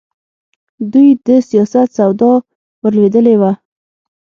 دوی د سیاست سودا ورلوېدلې وه.